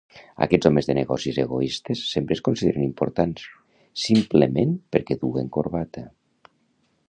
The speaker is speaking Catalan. Aquests homes de negocis egoistes sempre es consideren importants, simplement perquè duen corbata.